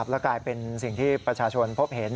และกลายเป็นสิ่งที่ประชาชนพบเห็น